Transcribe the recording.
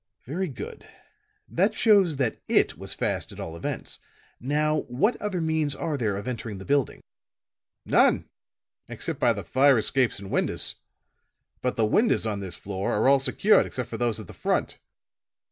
Very good. That shows that it was fast at all events. Now what other means are there of entering the building?" "None, except by the fire escapes and windows. But the windows on this floor are all secured except for those at the front."